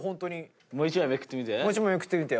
もう１枚めくってみて。